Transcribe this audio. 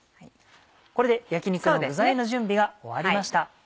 これで焼き肉の具材の準備が終わりました。